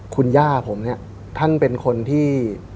คุณย่าผมเนี่ยท่านเป็นคนที่